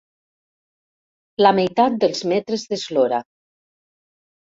La meitat dels metres d'eslora.